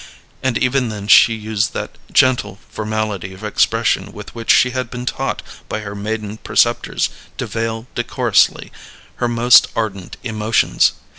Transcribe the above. And even then she used that gentle formality of expression with which she had been taught by her maiden preceptors to veil decorously her most ardent emotions.